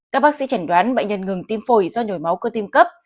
các bác sĩ chẩn đoán bệnh nhân ngừng tim phổi do nhồi máu cơ tim cấp